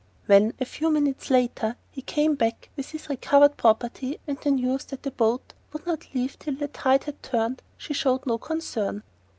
When, a few minutes later, he came back with his recovered property, and the news that the boat would not leave till the tide had turned, she showed no concern.